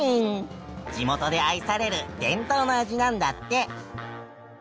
地元で愛される伝統の味なんだって。